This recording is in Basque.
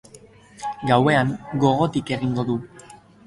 Gauean, gogotik egingo du.